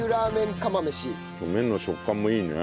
麺の食感もいいね。